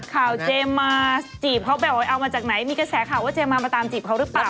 เจมส์มาจีบเขาแบบว่าเอามาจากไหนมีกระแสข่าวว่าเจมมามาตามจีบเขาหรือเปล่า